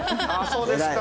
そうですか。